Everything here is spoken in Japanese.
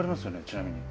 ちなみに。